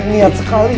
niat sekali ya